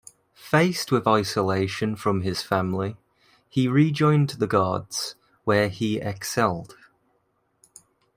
Faced with isolation from his family, he rejoined the Guards, where he excelled.